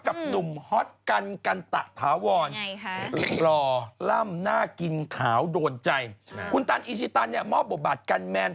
กับหนุ่มฮอตกันกันตะถาวร่ำน่ากินขาวโดนใจคุณตันอีชิตันเนี่ยมอบบทบาทกันแมน